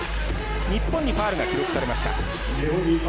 日本にファウルが記録されました。